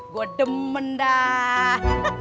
gua demen dah